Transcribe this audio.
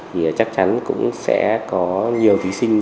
thì chắc chắn cũng sẽ có nhiều thí sinh